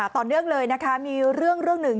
ต่อเนื่องเลยนะคะมีเรื่องหนึ่ง